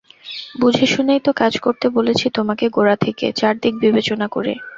বুঝেশুনেই তো কাজ করতে বলেছি তোমাকে গোড়া থেকে, চারদিক বিবেচনা করে।